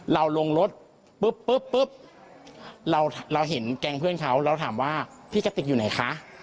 ลงรถปุ๊บปุ๊บเราเห็นแก๊งเพื่อนเขาเราถามว่าพี่กะติกอยู่ไหนคะ